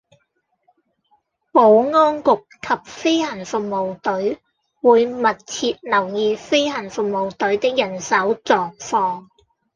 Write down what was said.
保安局及飛行服務隊會密切留意飛行服務隊的人手狀況